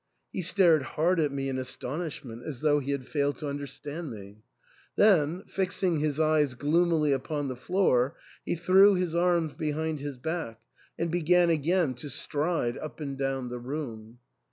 He stared hard at me in aston ishment, as though he had failed to understand me. Then, fixing his eyes gloomily upon the floor, he threw his arms behind his back, and again began to stride up and down the room.